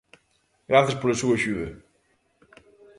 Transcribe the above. Grazas pola súa axuda